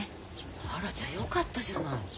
あらじゃあよかったじゃない。